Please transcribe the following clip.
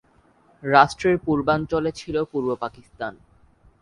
রাষ্ট্রের পূর্বাঞ্চলে ছিল পূর্ব পাকিস্তান।